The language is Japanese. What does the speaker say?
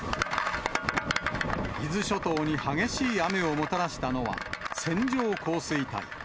伊豆諸島に激しい雨をもたらしたのは、線状降水帯。